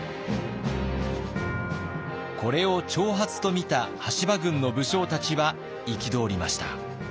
これを挑発と見た羽柴軍の武将たちは憤りました。